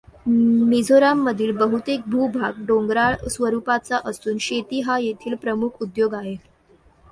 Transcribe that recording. मिझोरममधील बहुतेक भू भाग डोंगराळ स्वरूपाचा असून शेती हा येथील प्रमुख उद्योग आहे.